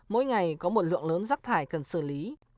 mỗi ngày có một lượng lớn rác thải cần xử lý